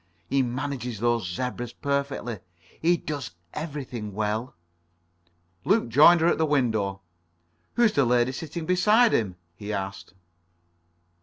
He manages those zebras perfectly. He does everything well." Luke had joined her at the window. "Who's the lady sitting beside him?" he asked.